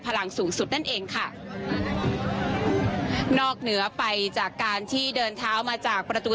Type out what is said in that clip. พลังสูงสุดนั่นเองค่ะนอกเหนือไปจากการที่เดินเท้ามาจากประตู